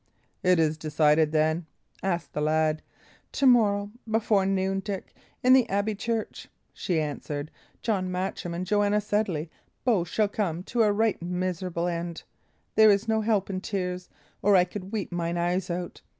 "Is it decided, then?" asked the lad. "To morrow, before noon, Dick, in the abbey church," she answered, "John Matcham and Joanna Sedley both shall come to a right miserable end. There is no help in tears, or I could weep mine eyes out.